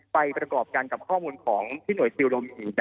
ไปประกอบกันกับข้อมูลของที่หน่วยซิลโรมินี